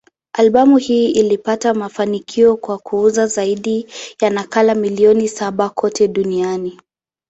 Albamu hii ilipata mafanikio kwa kuuza zaidi ya nakala milioni saba kote duniani.